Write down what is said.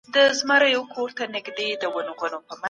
د يتيم حق بايد ضايع نسي.